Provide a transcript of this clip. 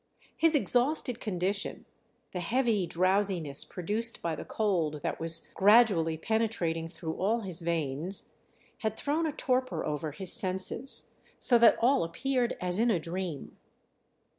His exhausted condition, the heavy drowsiness produced by the cold that was gradually penetrating through all his veins, had thrown a torpor over his senses, so that all appeared as in a dream.